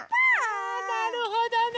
あなるほどね。